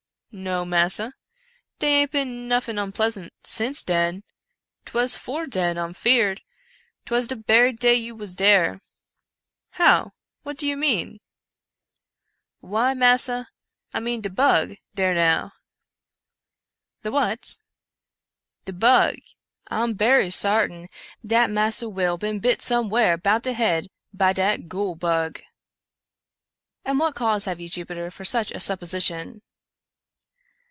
"" No, massa, dey aint bin noffin onpleasant since den — 'twas 'fore den I'm feared — 'twas de berry day you was dare." '* How ? what do you mean ?"" Why, massa, I mean de bug — dare now." "The what?" " De bug — I'm berry sartin dat Massa Will bin bit some where 'bout de head by dat goole bug." 130 Edzar Allan Poe *i> " And what cause have you, Jupiter, for such a sup position